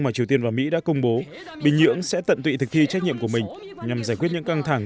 mà triều tiên và mỹ đã công bố bình nhưỡng sẽ tận tụy thực thi trách nhiệm của mình nhằm giải quyết những căng thẳng